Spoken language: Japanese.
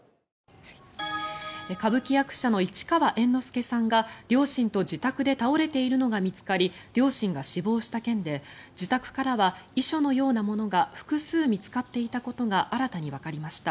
歌舞伎役者の市川猿之助さんが両親と自宅で倒れているのが見つかり両親が死亡した件で自宅からは遺書のようなものが複数見つかっていたことが新たにわかりました。